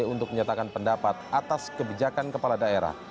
untuk menyatakan pendapat atas kebijakan kepala daerah